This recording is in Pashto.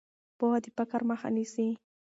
پوهه د فقر مخه نیسي.